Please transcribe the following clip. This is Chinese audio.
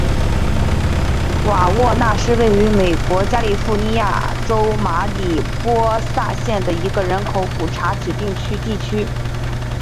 瓦沃纳是位于美国加利福尼亚州马里波萨县的一个人口普查指定地区。